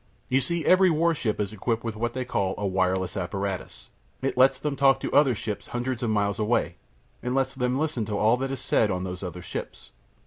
You see every warship is equipped with what they call a wireless apparatus. It lets them talk to other ships hundreds of miles away, and it lets them listen to all that is said on these other ships.